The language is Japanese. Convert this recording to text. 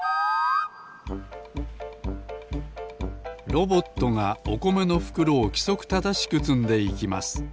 ロボットがおこめのふくろをきそくただしくつんでいきます